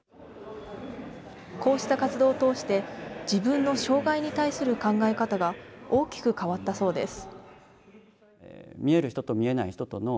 こうした活動を通して、自分の障害に対する考え方が大きく変わったそうです。